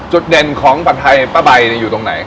จุดเด่นของผัดไทยป้าใบอยู่ตรงไหน